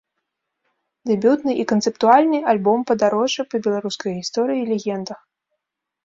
Дэбютны і канцэптуальны альбом-падарожжа па беларускай гісторыі і легендах.